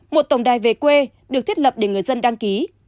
một tổng đài về quê được thiết lập để người dân đăng ký